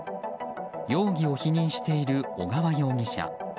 容疑を否認している小川容疑者。